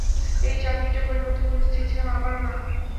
এই চাকরিটা পরিবর্তন করতে চেয়েছিলাম, আবারও না।